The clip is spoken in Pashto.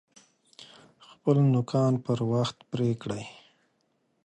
خپل نوکان پر وخت پرې کئ!